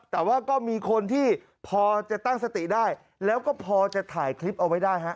แต่ว่าก็มีคนที่พอจะตั้งสติได้แล้วก็พอจะถ่ายคลิปเอาไว้ได้ฮะ